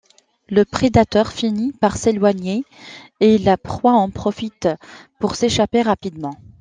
Le prédateur finit par s'éloigner et la proie en profite pour s'échapper rapidement.